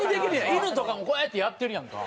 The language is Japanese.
犬とかもこうやってやってるやんか。